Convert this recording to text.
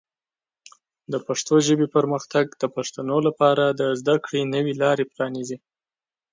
د پښتو ژبې پرمختګ د پښتنو لپاره د زده کړې نوې لارې پرانیزي.